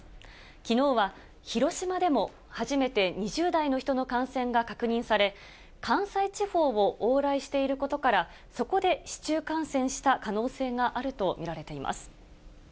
きのうは広島でも初めて２０代の人の感染が確認され、関西地方を往来していることから、そこで市中感染した可能性があると見られています。